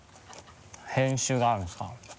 編集があるんですか？